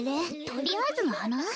とりあえずのはな？